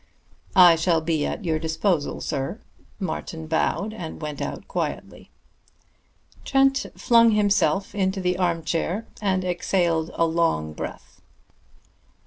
"I shall be at your disposal, sir." Martin bowed and went out quietly. Trent flung himself into the arm chair and exhaled a long breath.